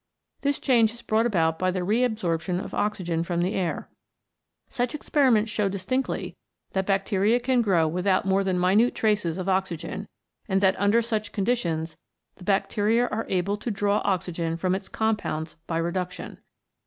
This change is brought about by the reabsorption of oxygen from the air. Such experiments show distinctly that bacteria can grow without more than minute traces of oxygen, and that under such conditions the bacteria are able to draw oxygen from its compounds by reduction.